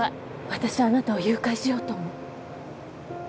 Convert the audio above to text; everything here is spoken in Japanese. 私あなたを誘拐しようと思う。